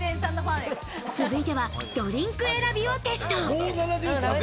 続いてはドリンク選びをテスト。